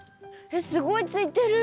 えっすごいついてる。